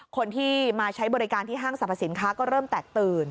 คนที่มาใช้บริการที่ห้างสรรพสินค้าก็เริ่มแตกตื่น